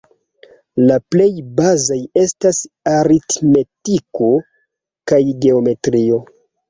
La plej bazaj estas aritmetiko kaj geometrio.